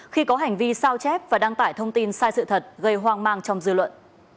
khi có hành vi sao chép và đăng tải thông tin sai sự thật gây hoang mang trong dư luận